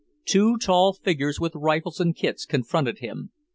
Two tall figures with rifles and kits confronted him.